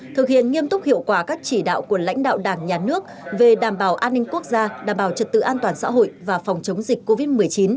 thực hiện nghiêm túc hiệu quả các chỉ đạo của lãnh đạo đảng nhà nước về đảm bảo an ninh quốc gia đảm bảo trật tự an toàn xã hội và phòng chống dịch covid một mươi chín